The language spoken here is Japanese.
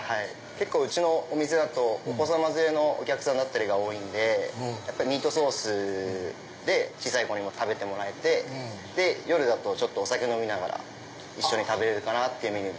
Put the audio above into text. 結構うちのお店お子さま連れのお客さんが多いんでミートソースで小さい子にも食べてもらえて夜だとお酒飲みながら一緒に食べれるかなってメニューで。